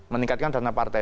meningkatkan dana partai